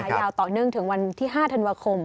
ยาวต่อเนื่องถึงวันที่๕ธันวาคม